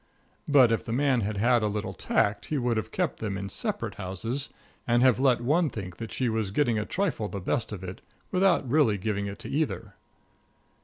But if the man had had a little tact he would have kept them in separate houses, and have let each one think that she was getting a trifle the best of it, without really giving it to either.